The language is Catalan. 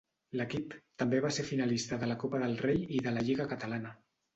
L'equip també va ser finalista de la Copa del Rei i de la Lliga catalana.